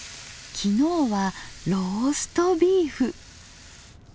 昨日はローストビーフ。